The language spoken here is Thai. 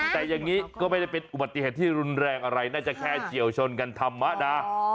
แต่อย่างนี้ก็ไม่ได้เป็นอุบัติเหตุที่รุนแรงอะไรน่าจะแค่เฉียวชนกันธรรมดา